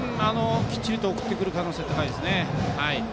きっちりと送ってくる可能性は高いです。